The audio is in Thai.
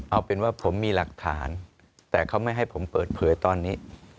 เอาเป็นว่าผมมีหลักฐานแต่เขาไม่ให้ผมเปิดเผยตอนนี้